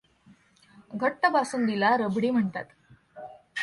घट्ट बासुंदीला रबडी म्हणतात.